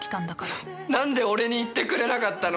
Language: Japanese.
「何で俺に言ってくれなかったの？」